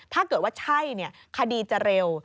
ถ้าเกิดว่าใช่คดีจะเร็ว